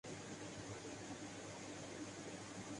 پہلے ٹیسٹ میں Zimbabwe team اپنی ناتجربہ کاری کے باعث شکست کھاگئی